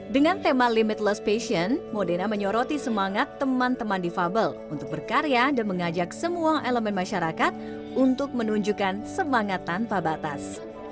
dengan tema limitless passion modena menyoroti semangat teman teman difabel untuk berkarya dan mengajak semua elemen masyarakat untuk menunjukkan semangat tanpa batas